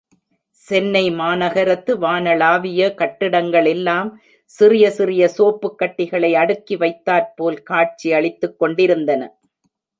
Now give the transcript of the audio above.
சென்னை மாநகரத்து வானளாவிய கட்டிடங்கள் எல்லாம் சிறிய சிறிய சோப்புக் கட்டிகளை அடுக்கி வைத்தாற்போல் காட்சியளித்துக் கொண்டிருந்தன.